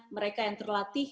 mereka yang terlatih